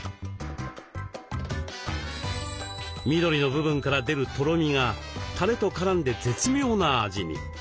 緑の部分から出るとろみがたれと絡んで絶妙な味に。